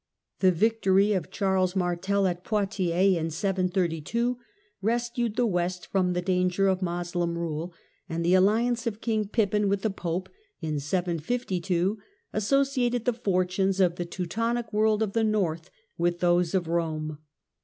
The victory of Charles Martel, at Poictiers in 732, rescued I the West from the danger of Moslem rule, and the alli I ance of King Pippin with the Pope in 752 associated the I fortunes of the Teutonic world of the north with those of Eome.